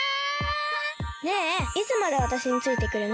ねえいつまでわたしについてくるの？